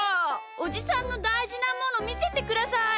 おじさんのたいじなものみせてください！